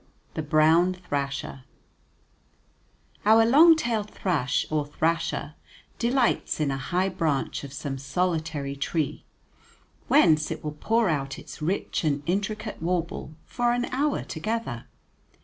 THE BROWN THRASHER Our long tailed thrush, or thrasher, delights in a high branch of some solitary tree, whence it will pour out its rich and intricate warble for an hour together.